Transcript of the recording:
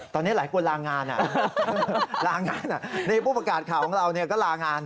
ตอนนี้หลายคนลางานอ่ะในภูมิประกาศข่าวของเราก็ลางาน